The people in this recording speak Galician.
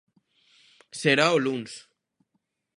Será o luns.